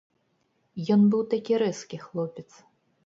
Ён быў такі рэзкі хлопец.